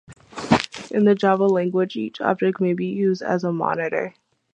In the Java language, each object may be used as a monitor.